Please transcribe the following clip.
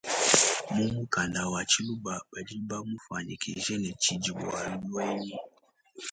Mu mukanda wa tshiluba badi bamufuanyikishe ne tshidibialuenyi.